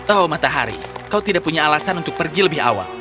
oh matahari kau tidak punya alasan untuk pergi lebih awal